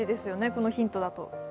このヒントだと。